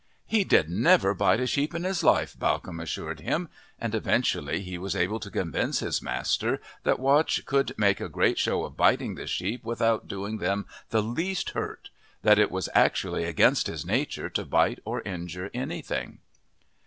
"He did never bite a sheep in his life," Bawcombe assured him, and eventually he was able to convince his master that Watch could make a great show of biting the sheep without doing them the least hurt that it was actually against his nature to bite or injure anything.